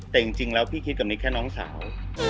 แต่จริงแล้วพี่คิดกับนิกแค่น้องสาว